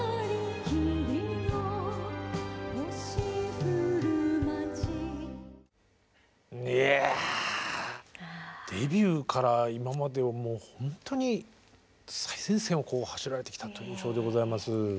いやデビューから今までをもうほんとに最前線を走られてきたという印象でございます。